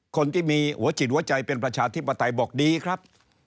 คนที่มีหัวจิตหัวใจเป็นประชาธิปไตยบอกดีครับ